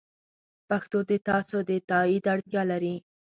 پښتو د تاسو د تایید اړتیا لري.